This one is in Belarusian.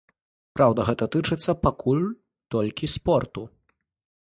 Праўда, гэта тычыцца пакуль толькі спорту.